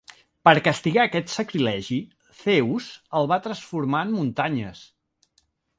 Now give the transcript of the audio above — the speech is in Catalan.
Per castigar aquest sacrilegi, Zeus els va transformar en muntanyes.